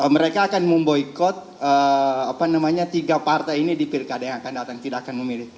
mereka akan memboykot tiga partai ini di pilkada yang akan datang tidak akan memilih